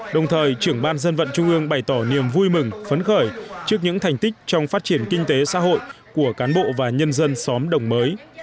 đồng thời trưởng ban dân vận trung ương bày tỏ niềm vui mừng phấn khởi trước những thành tích trong phát triển kinh tế xã hội của cán bộ và nhân dân xóm đồng mới